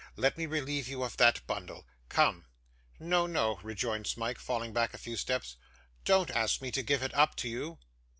Let me relieve you of that bundle! Come!' 'No, no,' rejoined Smike, falling back a few steps. 'Don't ask me to give it up to you.